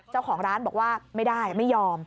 เจ้าของร้านบอกว่าไม่ได้ไม่ยอม